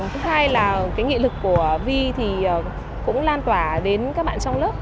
thứ hai là cái nghị lực của vi thì cũng lan tỏa đến các bạn trong lớp